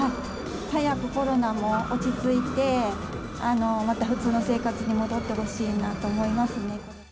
早くコロナも落ち着いて、また普通の生活に戻ってほしいなと思い